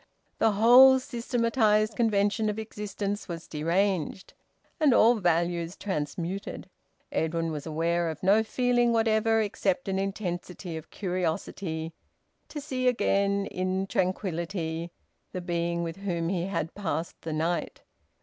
The whole systematised convention of existence was deranged, and all values transmuted. Edwin was aware of no feeling whatever except an intensity of curiosity to see again in tranquillity the being with whom he had passed the night.